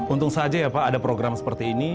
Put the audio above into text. untung saja ya pak ada program seperti ini